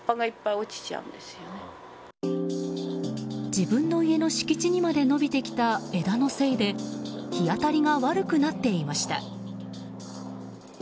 自分の家の敷地にまで伸びてきた枝のせいで日当たりが悪くなっていました。